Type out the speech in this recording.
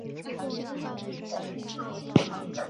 拜埃尔布伦是德国巴伐利亚州的一个市镇。